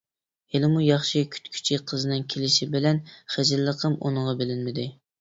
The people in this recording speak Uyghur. ھېلىمۇ ياخشى كۈتكۈچى قىزنىڭ كېلىشى بىلەن خىجىللىقىم ئۇنىڭغا بىلىنمىدى.